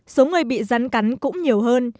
số người bị rắn cắn cũng nhiều hơn